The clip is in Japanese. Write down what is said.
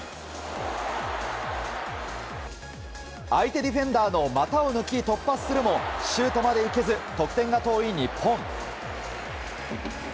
相手ディフェンダーの股を抜き突破するもシュートまで行けず得点が遠い日本。